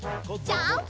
ジャンプ！